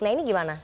nah ini gimana